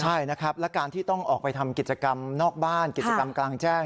ใช่นะครับและการที่ต้องออกไปทำกิจกรรมนอกบ้านกิจกรรมกลางแจ้ง